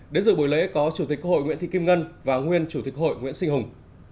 đến dự buổi lễ có chủ tịch quốc hội nguyễn thị kim ngân và nguyên chủ tịch hội nguyễn sinh hùng